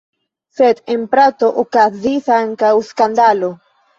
Sed en Prato okazis ankaŭ skandalo.